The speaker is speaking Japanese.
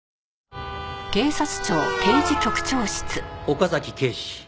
岡崎警視。